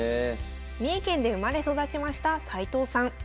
三重県で生まれ育ちました齊藤さん。